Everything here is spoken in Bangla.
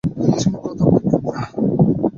তিনি কোনো কথা বললেন না।